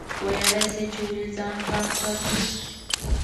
ویلای شئ چې ولې ځان پاک ساتو؟